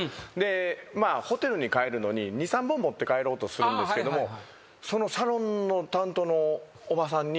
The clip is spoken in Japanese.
ホテルに帰るのに２３本持って帰ろうとするんですけどそのサロンの担当のおばさんに。